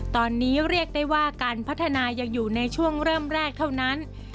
ตอนนี้เรียกได้ว่าการพัฒนายังอยู่ในช่วงเริ่มแรกเท่านั้น